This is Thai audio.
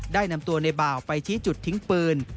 ได้นำตัวในบ่าวไปชี้จุดทิ้งปืน